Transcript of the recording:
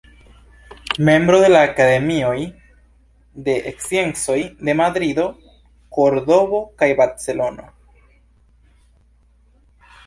Membro de la Akademioj de Sciencoj de Madrido, Kordovo kaj Barcelono.